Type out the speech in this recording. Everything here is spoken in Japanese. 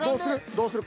どうする？